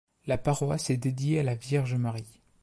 La paroisse est dédiée à la Vierge Marie.